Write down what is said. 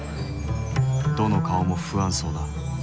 どの顔も不安そうだ。